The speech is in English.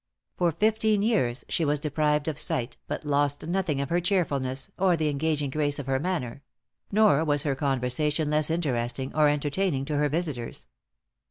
For fifteen years she was deprived of sight, but lost nothing of her cheerfulness, or the engaging grace of her manner; nor was her conversation less interesting or entertaining to her visitors.